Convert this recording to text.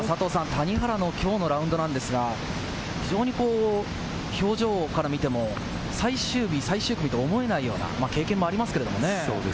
谷原のきょうのラウンドなんですが、非常に表情から見ても、最終日、最終組と思えないような経験もありますけれどもね。